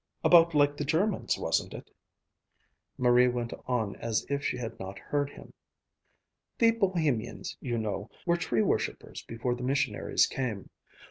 About like the Germans', wasn't it?" Marie went on as if she had not heard him. "The Bohemians, you know, were tree worshipers before the missionaries came.